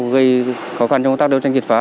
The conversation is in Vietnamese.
gây khó khăn trong công tác đấu tranh triệt phá